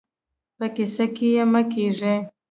په کيسه کې يې مه کېږئ.